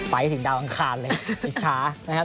ไปถึงดาวอังคารเลยอิจฉานะครับ